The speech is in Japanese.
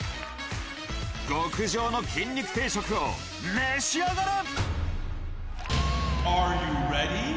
極上の筋肉定食を召し上がれ！